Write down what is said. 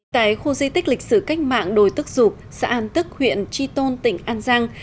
tại khu di tích lịch sử cách mạng đồi tức dục xã an tức huyện tri tôn tỉnh an giang